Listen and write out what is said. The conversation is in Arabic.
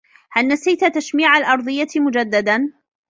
هل نسيت تشميع الأرضيّة مجدّدا؟